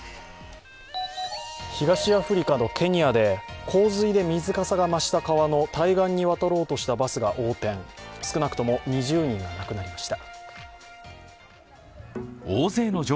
東アフリカのケニアで洪水で水かさが増した川の対岸に渡ろうとしたバスが横転、少なくとも２０人が亡くなりました。